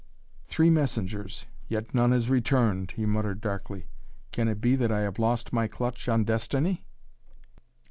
"Three messengers, yet none has returned," he muttered darkly. "Can it be that I have lost my clutch on destiny?"